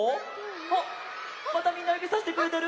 あっまたみんなゆびさしてくれてる！